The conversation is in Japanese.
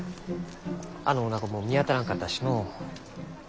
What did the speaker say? あのおなごも見当たらんかったしのう。